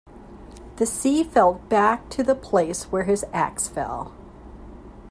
The sea fell back to the place where his axe fell.